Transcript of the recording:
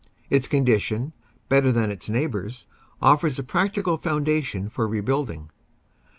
Its condition, better than its neighbors, offers a practical foundation for rebuilding.